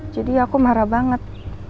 jadi aku marah banget